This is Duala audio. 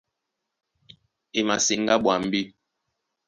E maseŋgá ɓwambí.